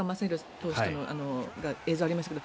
投手との映像ありましたけど